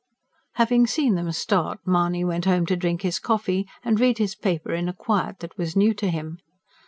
Having seen them start, Mahony went home to drink his coffee and read his paper in a quiet that was new to him.